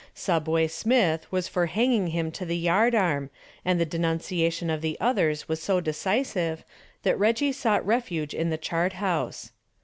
"Subway" Smith was for hanging him to the yard arm, and the denunciation of the others was so decisive that Reggie sought refuge in the chart house.